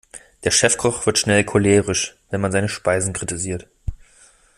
Der Chefkoch wird schnell cholerisch, wenn man seine Speisen kritisiert.